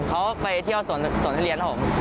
เขาไปเที่ยวสวนทุเรียนผม